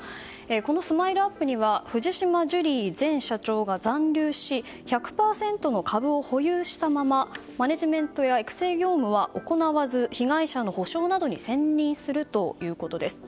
このＳＭＩＬＥ‐ＵＰ．には藤島ジュリー前社長が残留し１００％の株を保有したままマネジメントや育成業務は行わず被害者の補償などに専任するということです。